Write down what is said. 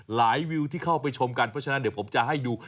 วิวที่เข้าไปชมกันเพราะฉะนั้นเดี๋ยวผมจะให้ดู